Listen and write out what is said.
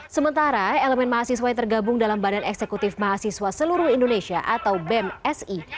sementara elemen mahasiswa yang tergabung dalam badan eksekutif mahasiswa seluruh indonesia atau bemsi